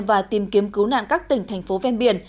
và tìm kiếm cứu nạn các tỉnh thành phố ven biển